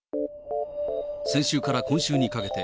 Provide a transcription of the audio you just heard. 先週から今週にかけて、